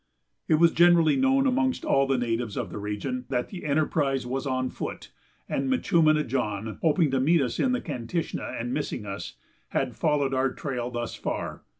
It was generally known amongst all the natives of the region that the enterprise was on foot, and "Minchúmina John," hoping to meet us in the Kantishna, and missing us, had followed our trail thus far.